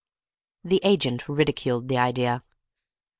The agent ridiculed the idea.